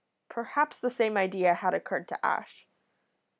Perhaps the same idea had occurred to Ash.